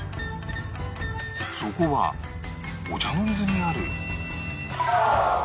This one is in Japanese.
そこはお茶の水にある